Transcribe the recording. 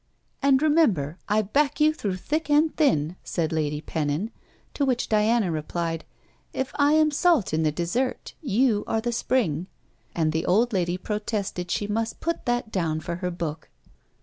'And remember, I back you through thick and thin,' said Lady Pennon. To which Diana replied: 'If I am salt in the desert, you are the spring'; and the old lady protested she must put that down for her book.